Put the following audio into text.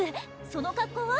その格好は？